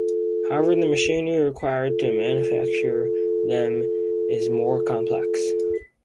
However, the machinery required to manufacture them is more complex.